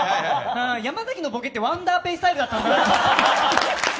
山崎のボケってワンダーペイスタイルだったんだなと。